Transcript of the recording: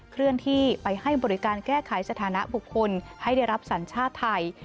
เคลื่อนที่ไปให้บริการแก้ไขสถานะบุคคลให้ได้รับสัญชาติไทย